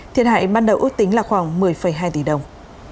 thiệt hại ban đầu ước tính là khoảng một mươi hai tỷ đồng